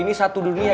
ini satu dunia